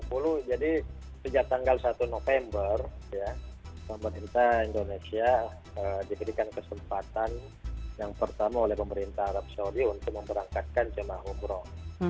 tahun lalu itu kan tahun dua ribu dua puluh jadi sejak tanggal satu november pemerintah indonesia diberikan kesempatan yang pertama oleh pemerintah arab saudi untuk memperangkatkan jemaah umroh